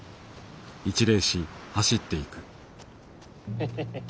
ヘヘヘヘ。